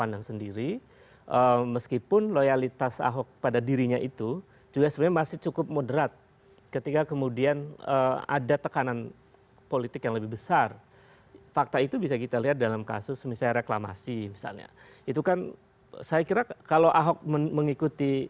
yang harus masuk penjara kasusnya pak ahok